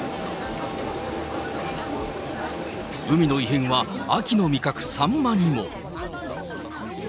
海の異変は秋の味覚サンマにも。